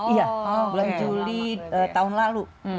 iya bulan juli tahun lalu